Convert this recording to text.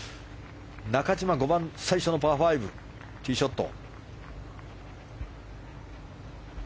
中島、５番最初のパー５、ティーショット。